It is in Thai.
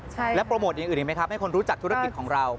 ใช่แล้วโปรโมทอย่างอื่นอีกไหมครับให้คนรู้จักธุรกิจของเรา